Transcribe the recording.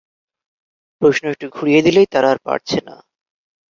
প্রশ্ন একটু ঘুরিয়ে দিলেই তাঁরা আর পারছে না।